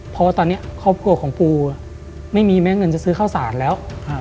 พอตอนนี้ครอบครัวของปูไม่มีแม้เงินจะซื้อเข้าศาลแล้ว